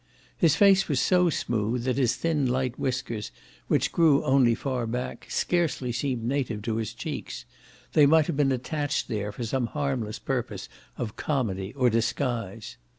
His face was so smooth that his thin light whiskers, which grew only far back, scarcely seemed native to his cheeks: they might have been attached there for some harmless purpose of comedy or disguise.